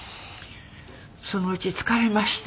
そのうち疲れまして。